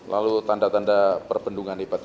lalu tanda tanda perbendungan hebat